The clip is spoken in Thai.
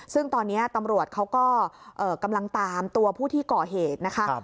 ซึ่งตอนนี้ตำรวจเขาก็กำลังตามตัวผู้ที่ก่อเหตุนะคะ